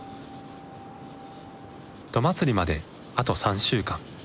どまつりまであと３週間。